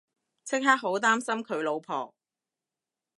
即刻好擔心佢老婆